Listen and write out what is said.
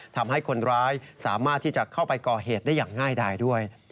ทำให้คนร้ายสามารถที่จะเข้าไปก่อเหตุได้อย่างง่ายดายด้วย